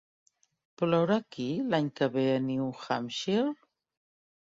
Plourà aquí l'any que ve a New Hampshire?